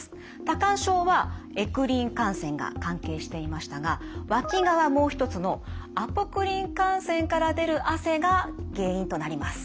多汗症はエクリン汗腺が関係していましたがわきがはもう一つのアポクリン汗腺から出る汗が原因となります。